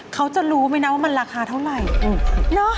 เขาจะรู้ไหมนะว่ามันราคาเท่าไหร่